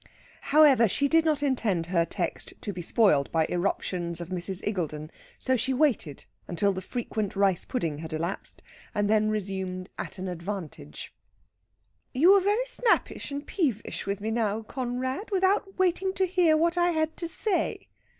However, she did not intend her text to be spoiled by irruptions of Mrs. Iggulden, so she waited until the frequent rice pudding had elapsed, and then resumed at an advantage: "You were very snappish and peevish with me just now, Conrad, without waiting to hear what I had to say.